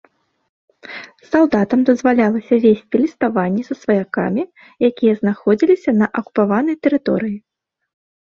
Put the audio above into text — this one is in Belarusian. Салдатам дазвалялася весці ліставанне са сваякамі, якія знаходзіліся на акупаванай тэрыторыі.